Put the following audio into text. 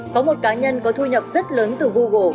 có một cá nhân có thu nhập rất lớn từ google